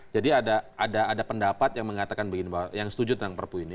ada pendapat yang mengatakan begini yang setuju tentang perpu ini